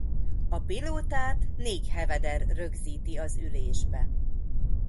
A pilótát négy heveder rögzíti az ülésbe.